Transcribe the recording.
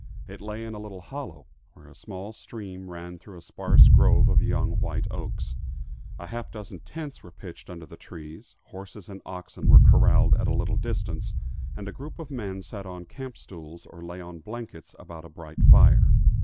It lay in a little hollow, where a small stream ran through a sparse grove of young white oaks. A half dozen tents were pitched under the trees, horses and oxen were corraled at a little distance, and a group of men sat on camp stools or lay on blankets about a bright fire.